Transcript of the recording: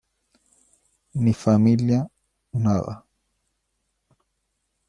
ni familia, nada.